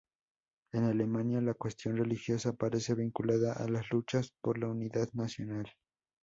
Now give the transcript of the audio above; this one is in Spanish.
En Alemania la cuestión religiosa aparece vinculada a las luchas por la unidad nacional.